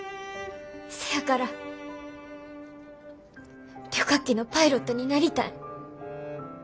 せやから旅客機のパイロットになりたい。